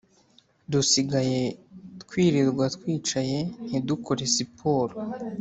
Dusigaye twirirwa twicaye ntidukore siporo